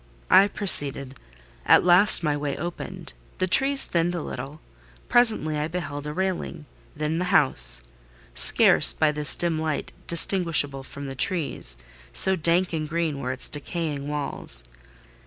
I proceeded: at last my way opened, the trees thinned a little; presently I beheld a railing, then the house—scarce, by this dim light, distinguishable from the trees; so dank and green were its decaying walls.